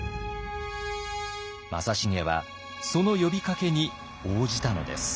正成はその呼びかけに応じたのです。